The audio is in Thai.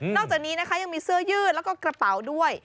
จากนี้นะคะยังมีเสื้อยืดแล้วก็กระเป๋าด้วย